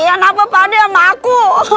kenapa pada sama aku